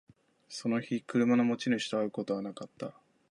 その日、車の持ち主と会うことはなかった